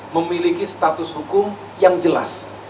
memiliki status hukum yang jelas